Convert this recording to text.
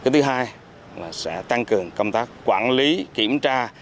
thứ hai là sẽ tăng cường công tác quản lý kiểm tra